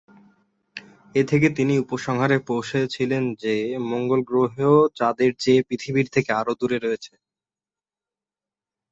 এ থেকে তিনি উপসংহারে পৌঁছেছিলেন যে মঙ্গল গ্রহ চাঁদের চেয়ে পৃথিবী থেকে আরও দূরে রয়েছে।